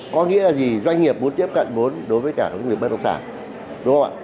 có nghĩa là gì doanh nghiệp muốn tiếp cận vốn đối với cả doanh nghiệp bất động sản đúng không ạ